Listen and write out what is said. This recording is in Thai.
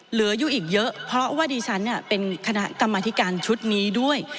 เหลืออยู่อีกเยอะเพราะว่าดิฉันเป็นคณะกรรมธิการชุดนี้ด้วย